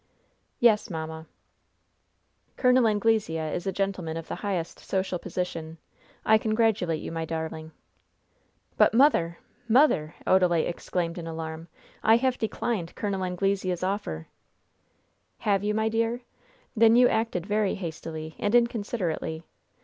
"Yes, mamma." "Col. Anglesea is a gentleman of the highest social position. I congratulate you, my darling." "But, mother! mother!" Odalite exclaimed in alarm. "I have declined Col. Anglesea's offer!" "Have you, my dear? Then you acted very hastily and inconsiderately.